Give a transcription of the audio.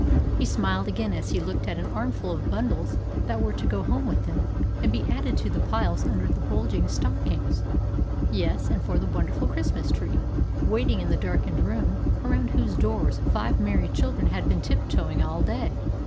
He smiled again, as he looked at an armful of bundles that were to go home with him, and be added to the piles under the bulging stockings: yes, and for the wonderful Christmas tree, waiting in the darkened room, around whose doors five merry children had been tip toeing all day.